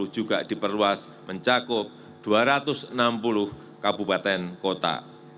juga diperluas mencakup dua ratus enam puluh kabupaten kota